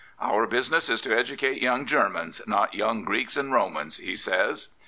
" Our business is to educate young Germans, not young Greeks and Romans,'* he says.